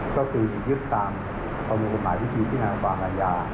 ก็คือยึกตามธรรมกฎหมายวิธีที่นำความอาญา